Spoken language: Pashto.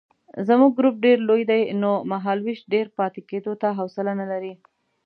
زموږ ګروپ ډېر لوی دی نو مهالوېش ډېر پاتې کېدو ته حوصله نه لري.